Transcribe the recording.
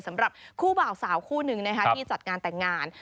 สำหรับคู่เป่าสาวคู่หนึ่งที่จัดงานแต่งงาน